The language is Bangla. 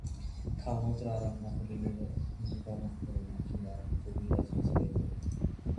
খাওয়ামাত্র আরাম না হলে নিবারণদা নাকি তার কবিরাজী ছেড়ে দেবেন।